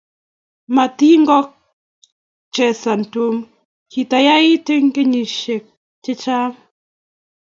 matigochezan Tom kitait eng kenyishiek chechang